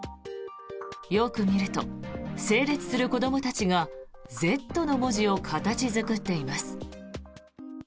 よく見ると整列する子どもたちが「Ｚ」の文字を形作っています。